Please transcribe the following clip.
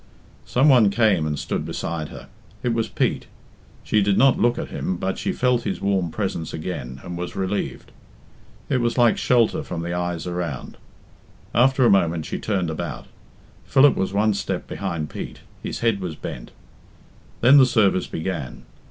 Some one came and stood beside her. It was Pete. She did not look at him, but she felt his warm presence again, and was relieved. It was like shelter from the eyes around. After a moment she turned about Philip was one step behind Pete. His head was bent. Then the service began.